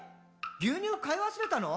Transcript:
牛乳買い忘れたの？」